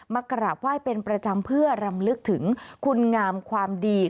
กราบไหว้เป็นประจำเพื่อรำลึกถึงคุณงามความดี